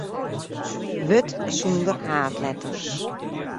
Wurd sonder haadletters.